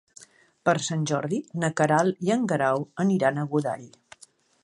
Per Sant Jordi na Queralt i en Guerau aniran a Godall.